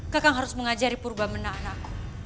kakang harus mengajari purba meneng